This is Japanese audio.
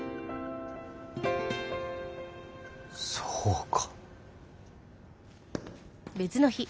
そうか！